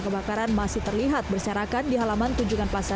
kebakaran ini tidak hanya berdampak pada mal tunjungan plasa